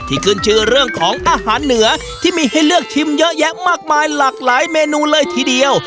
ขึ้นชื่อเรื่องของอาหารเหนือที่มีให้เลือกชิมเยอะแยะมากมายหลากหลายเมนูเลยทีเดียว